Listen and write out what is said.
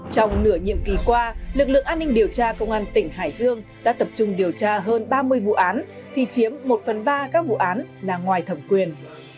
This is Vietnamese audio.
trong nửa nhiệm kỳ qua lực lượng an ninh điều tra công an tỉnh hải dương đã tập trung điều tra hơn ba mươi vụ án thì chiếm một phần ba các vụ án là ngoài thẩm quyền